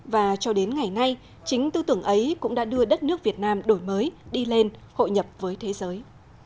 và cho đến ngày nay chính tư tưởng ấy cũng đã đưa đất nước việt nam đổi mới đi lên hội nhập với thế giới